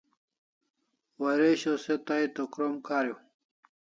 Waresho se tai to krom kariu